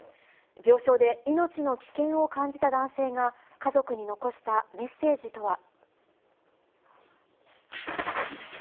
病床で命の危険を感じた男性が、家族に残したメッセージとは。